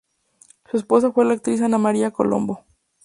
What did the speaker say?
Su esposa fue la actriz Ana María Colombo.